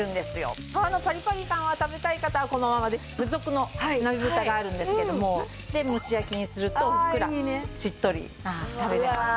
皮のパリパリ感を食べたい方はこのままで付属の鍋ブタがあるんですけどもで蒸し焼きにするとふっくらしっとり食べれます。